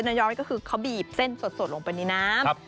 ขนมเส้นน้ำย้อยก็คือเขาบีบเส้นสดลงไปในน้ำ